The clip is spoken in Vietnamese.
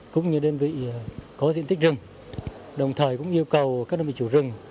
cũng như đơn vị có diện tích rừng đồng thời cũng yêu cầu các đơn vị chủ rừng